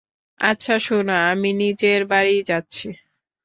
আচ্ছা শোনো, আমি নিজের বাড়ি যাচ্ছি।